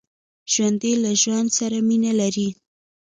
ژوندي له ژوند سره مینه لري